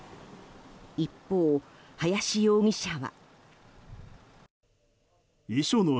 一方、林容疑者は。